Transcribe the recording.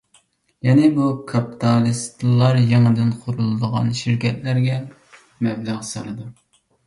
يەنى، بۇ كاپىتالىستلار يېڭىدىن قۇرۇلىدىغان شىركەتلەرگە مەبلەغ سالىدۇ.